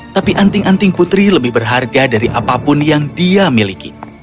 tapi anting anting putri lebih berharga dari apapun yang dia miliki